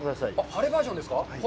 晴れバージョンですか。